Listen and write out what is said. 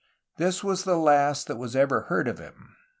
This was the last that was ever heard of him.